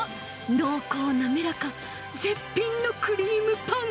濃厚、滑らか、絶品のクリームパン。